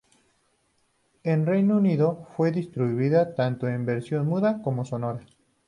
En Reino Unido, fue distribuida tanto en versión muda como sonora.